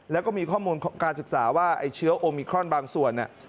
แล้วก็มีข้อมูลการศึกษาว่าไอ้เชื้อโอมิครอนบางส่วน